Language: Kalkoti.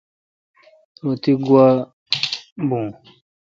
رو تی گوا بھو۔